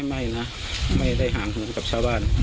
ไม่นะไม่ได้ห่างหูกับชาวบ้าน